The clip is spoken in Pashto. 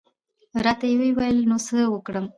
را ته وې ویل نو څه وکړم؟